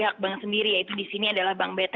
kasus pandang kita di luar sana bisa menjernih